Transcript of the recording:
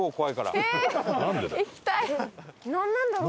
なんなんだろう？